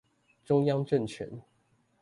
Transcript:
中央政權